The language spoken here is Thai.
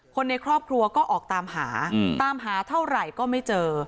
คนในครอบครัวก็ออกตามหาตามหาเท่าไหร่ก็ไม่เจอ